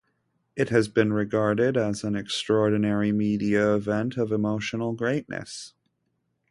It has been regarded as an extraordinary media event of emotional greatness.